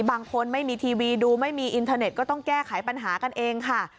ไม่มีทีวีดูไม่มีอินเทอร์เน็ตก็ต้องแก้ไขปัญหากันเองค่ะ